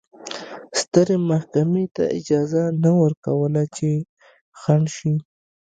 سترې محکمې ته اجازه نه ورکوله چې خنډ شي.